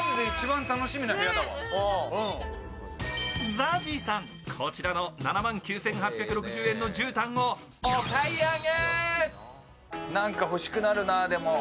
ＺＡＺＹさん、こちらの７万９８６０円のじゅうたんをお買い上げ。